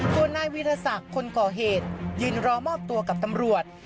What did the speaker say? นายวีรศักดิ์คนก่อเหตุยืนรอมอบตัวกับตำรวจ